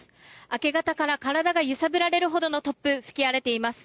明け方から体が揺さぶられるほどの突風が吹き荒れています。